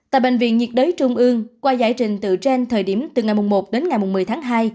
tại bệnh viện nhiệt đới trung ương qua giải trình từ trên thời điểm từ ngày một đến ngày một mươi tháng hai